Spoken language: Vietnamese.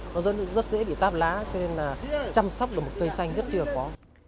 nó rất dễ bị táp lá cho nên là chăm sóc được một cây xanh rất là khó